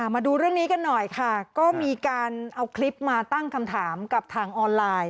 มาดูเรื่องนี้กันหน่อยค่ะก็มีการเอาคลิปมาตั้งคำถามกับทางออนไลน์